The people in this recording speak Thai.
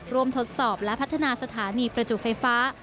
ทดสอบและพัฒนาสถานีประจุไฟฟ้า